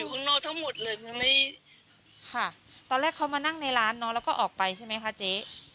ค่ะตอนแรกเขามานั่งในร้านเนาะแล้วก็ออกไปใช่ไหมคะเจ๊